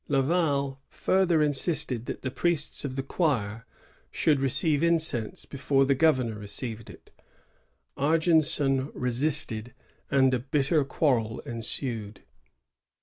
Laval further insisted that the priests of the choir should receive incense before the governor received it. Argenson resisted, and a bitter quarrel ensued.